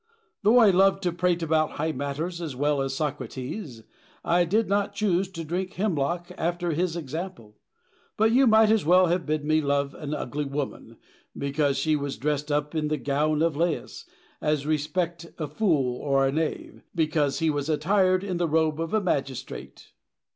Though I loved to prate about high matters as well as Socrates, I did not choose to drink hemlock after his example. But you might as well have bid me love an ugly woman, because she was dressed up in the gown of Lais, as respect a fool or a knave, because he was attired in the robe of a magistrate.